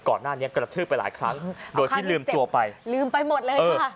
ก่อนหน้านี้กระทืบไปหลายครั้งโดยที่ลืมตัวไปลืมไปหมดเลยค่ะ